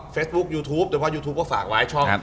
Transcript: เฟซบุ๊กยูทูปแต่ว่ายูทูปก็ฝากไว้ช่อง